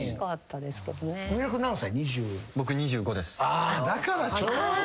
あだからちょうど。